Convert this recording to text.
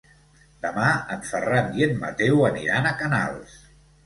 Demà en Ferran i en Mateu aniran a Canals.